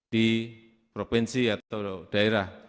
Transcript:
di provinsi atau daerah